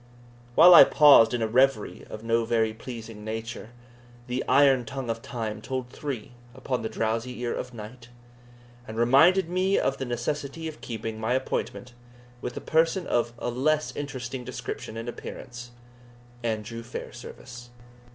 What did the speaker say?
While I paused in a reverie of no very pleasing nature, the "iron tongue of time told three upon the drowsy ear of night," and reminded me of the necessity of keeping my appointment with a person of a less interesting description and appearance Andrew Fairservice.